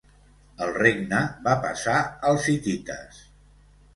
El regne va passar als hitites.